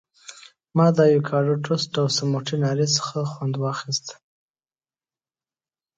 ما د ایوکاډو ټوسټ او سموټي ناري څخه خوند واخیست.